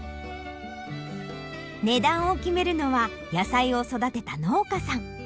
値段を決めるのは野菜を育てた農家さん。